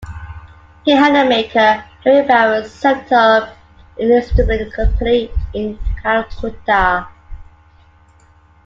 He had a maker, Henry Barrow, set up an instrument company in Calcutta.